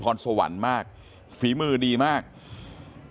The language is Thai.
คุณยายบอกว่ารู้สึกเหมือนใครมายืนอยู่ข้างหลัง